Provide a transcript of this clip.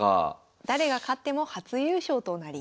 誰が勝っても初優勝となります。